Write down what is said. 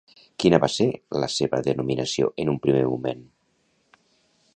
Quina va ser la seva denominació en un primer moment?